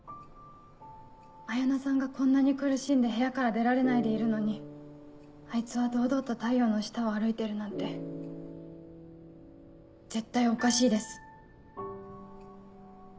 彩菜さんがこんなに苦しんで部屋から出られないでいるのにあいつは堂々と太陽の下を歩いてるなんて絶対おかしいです。